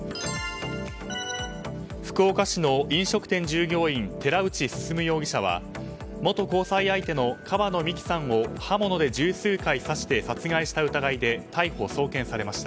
福岡市の飲食店従業員寺内進容疑者は元交際相手の川野美樹さんを刃物で十数回刺して殺害した疑いで逮捕・送検されました。